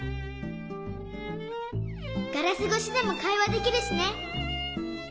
ガラスごしでもかいわできるしね。